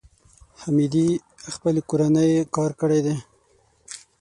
حمیدې خپل کورنی کار کړی دی.